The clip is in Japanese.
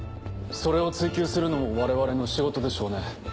それを追究するのも我々の仕事でしょうね。